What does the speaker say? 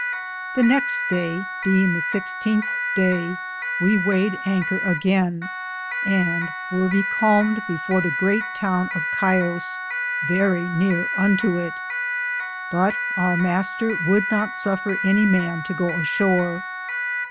The nexte daye, beinge the i6 daye, we wayed Anker againe, and weare becalmed before the greate toone of Scio, verrie neare unto it, but our Mr. would not suffer any man to goo ashore.